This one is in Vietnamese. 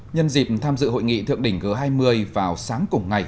nhân dịp tham dự hội nghị thượng đỉnh g hai mươi vào sáng cùng ngày